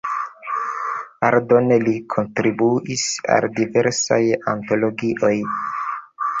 Aldone li kontribuis al diversaj antologioj.